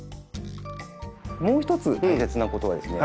もう一つ大切なことはですね